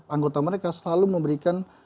anggota mereka selalu memberikan